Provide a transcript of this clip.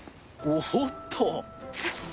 おっと？